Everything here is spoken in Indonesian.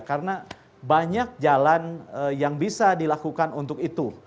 karena banyak jalan yang bisa dilakukan untuk itu